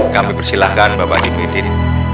kami persilahkan bapak haji muhyiddin